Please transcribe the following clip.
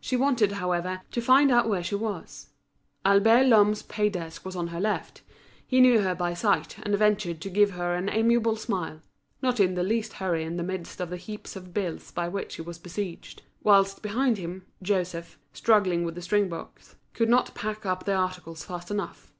She wanted, however, to find out where she was. Albert Lhomme's pay desk was on her left; he knew her by sight and ventured to give her an amiable smile, not in the least hurry in the midst of the heaps of bills by which he was besieged; whilst, behind him, Joseph, struggling with the string box, could not pack up the articles fast enough.